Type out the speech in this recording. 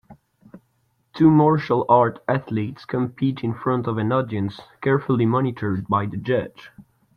Two martial art athletes compete in front of an audience, carefully monitored by the judge.